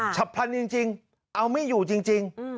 ฉับพลันจริงเอาไม่อยู่จริง